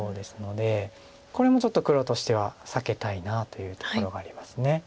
これもちょっと黒としては避けたいなというところがあります。